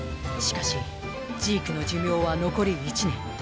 しかしジークの寿命は残り１年。